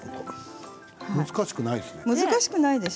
難しくないです。